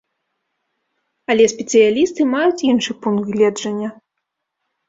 Але спецыялісты маюць іншы пункт гледжання.